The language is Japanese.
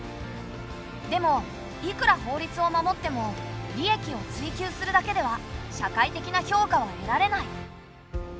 でもいくら法律を守っても利益を追求するだけでは社会的な評価は得られない。